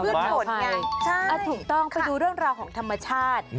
ต้นบนต้นแหละใช่ค่ะถูกต้องไปดูเรื่องราวของธรรมชาติ